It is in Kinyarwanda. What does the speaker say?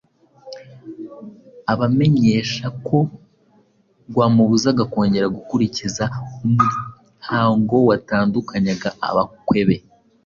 abamenyesha ko ryamubuzaga kongera gukurikiza umuhango watandukanyaga abakebwe